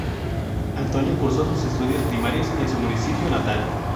Antonio cursó sus estudios primarios en su municipio natal.